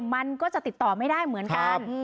มันก็จะติดต่อไม่ได้เหมือนกัน